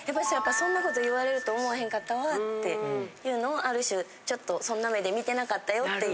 「そんな事言われると思えへんかったわ」っていうのをある種ちょっとそんな目で見てなかったよっていう。